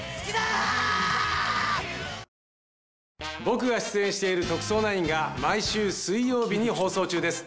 僕が出演している『特捜９』が毎週水曜日に放送中です。